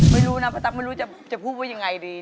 ไม่รู้นะป้าตั๊กไม่รู้จะพูดว่ายังไงดี